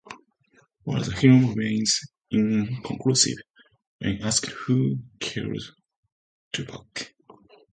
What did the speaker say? While the film remains inconclusive, when asked Who killed Tupac?